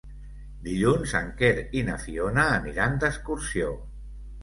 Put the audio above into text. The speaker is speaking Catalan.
Dilluns en Quer i na Fiona aniran d'excursió.